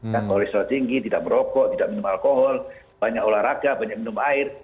ya kolesterol tinggi tidak merokok tidak minum alkohol banyak olahraga banyak minum air